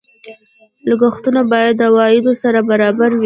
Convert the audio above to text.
لګښتونه باید د عوایدو سره برابر وي.